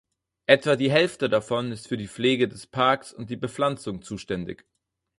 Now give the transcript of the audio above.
Etwa die Hälfte davon ist für die Pflege des Parks und die Bepflanzung zuständig.